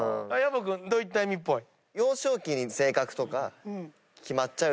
薮君どういった意味っぽい？